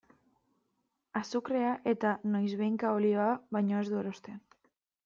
Azukrea eta noizbehinka olioa baino ez du erosten.